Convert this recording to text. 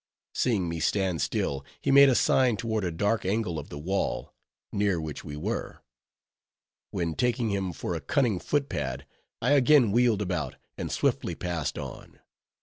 Seeing me stand still he made a sign toward a dark angle of the wall, near which we were; when taking him for a cunning foot pad, I again wheeled about, and swiftly passed on.